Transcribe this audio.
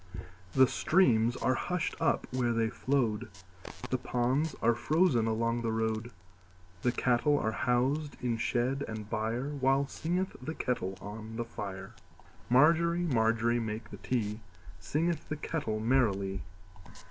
The streams are hushed up where they flowed, The ponds are frozen along the road, The cattle are housed in shed and byreWhile singeth the kettle on the fire. Margery, Margery, make the tea, Singeth the kettle merrily.